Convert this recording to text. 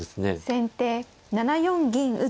先手７四銀打。